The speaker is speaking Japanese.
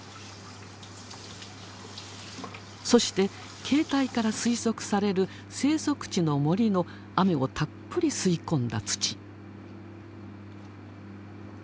そして形態から推測される生息地の森の雨をたっぷり吸い込んだ土。